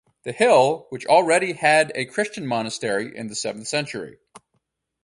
The hill, which already had a Christian monastery in the seventh century.